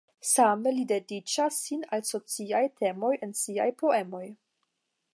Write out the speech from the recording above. Same li dediĉas sin al sociaj temoj en siaj poemoj.